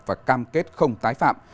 và cam kết không tái phạm